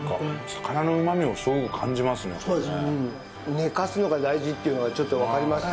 寝かすのが大事っていうのがちょっとわかりました。